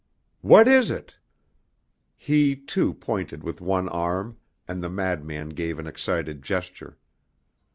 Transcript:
"What is it?" He, too, pointed with one arm, and the madman gave an excited gesture.